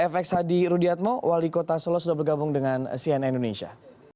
fx hadi rudiatmo wali kota solo sudah bergabung dengan cnn indonesia